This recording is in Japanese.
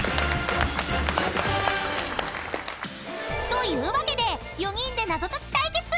［というわけで４人で謎解き対決］